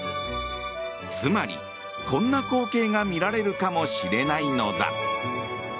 つまり、こんな光景が見られるかもしれないのだ。